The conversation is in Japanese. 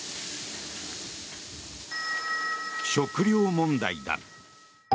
食糧問題だ。